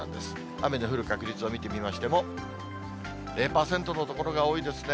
雨の降る確率を見てみましても、０％の所が多いですね。